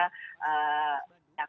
yang kemudian memudahkan kita